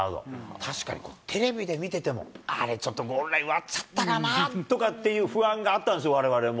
確かにテレビで見てても、あれ、ちょっとゴールライン割っちゃったかなっていう不安があったんですよ、われわれも。